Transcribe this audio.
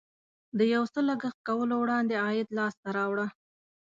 د یو څه لګښت کولو وړاندې عاید لاسته راوړه.